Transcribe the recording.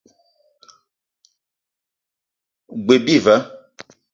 G-beu bi va.